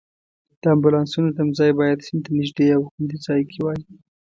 د امبولانسونو تمځای باید سیند ته نږدې او خوندي ځای کې وای.